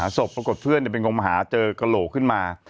หาศพปฎฺพี่เป็นเอางกมาหาเจอกะโหลกขึ้นมา